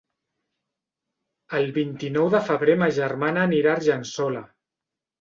El vint-i-nou de febrer ma germana anirà a Argençola.